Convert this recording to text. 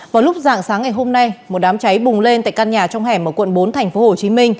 vào lúc dạng sáng ngày hôm nay một đám cháy bùng lên tại căn nhà trong hẻm ở quận bốn tp hcm